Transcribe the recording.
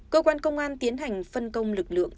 cơ quan công an tiến hành phân công lực lượng